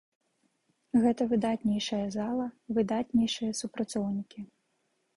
Гэта выдатнейшая зала, выдатнейшыя супрацоўнікі.